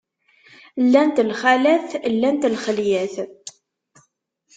Llant lxalat, llant lxelyat.